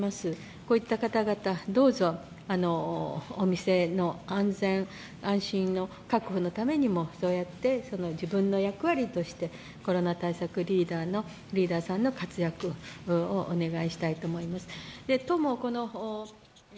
こういった方々、どうぞお店の安全・安心の確保のためにも自分の役割としてコロナ対策リーダーさんの活躍をお願いしたいと思います。